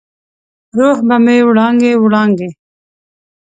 روح به مې وړانګې، وړانګې،